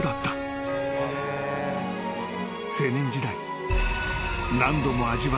［青年時代］